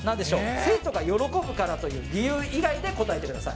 生徒が喜ぶからという理由以外で答えてください。